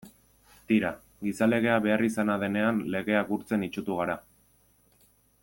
Tira, gizalegea beharrizana denean legea gurtzen itsutu gara.